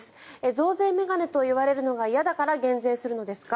増税メガネと言われるのが嫌だから減税するんですか。